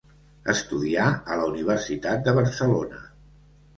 Estudià a la Universitat de Barcelona.